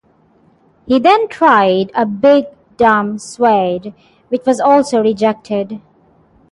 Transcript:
He then tried a "big dumb Swede", which was also rejected.